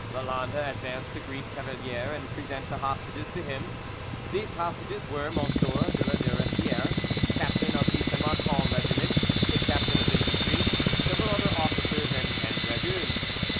Lalande advanced to greet Cavalier and present the hostages to him. These hostages were M. de La Duretiere, captain of the Fimarcon regiment, a captain of infantry, several other officers, and ten dragoons.